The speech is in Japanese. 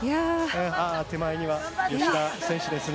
手前は吉田選手ですね。